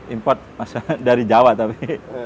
import dari jawa tapi